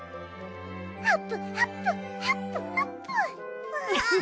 あっぷあっぷあっぷあっぷ。